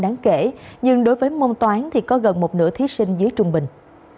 đáng kể nhưng đối với môn toán thì có gần một nửa thí sinh dưới trung bình